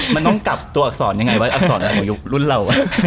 มันต้องกลับตัวอักษรยังไงวะอักษรอายุรุ่นเรา